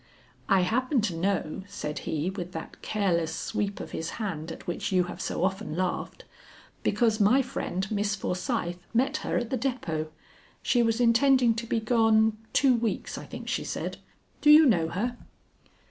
"I happen to know," said he with that careless sweep of his hand at which you have so often laughed, "because my friend Miss Forsyth met her at the depot. She was intending to be gone two weeks, I think she said. Do you know her?"